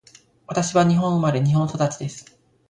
私は日本生まれ、日本育ちです。